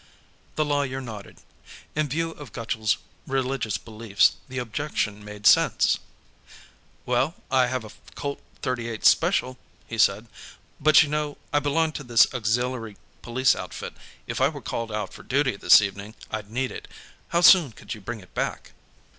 The lawyer nodded. In view of Gutchall's religious beliefs, the objection made sense. "Well, I have a Colt .38 special," he said, "but you know, I belong to this Auxiliary Police outfit. If I were called out for duty, this evening, I'd need it. How soon could you bring it back?"